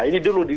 nah ini dulu